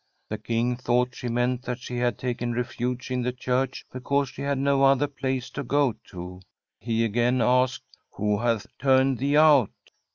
The King thought she meant that she had taken refuge in the church because she h^d no other place to go to. He again asked: * Who hath turned thee out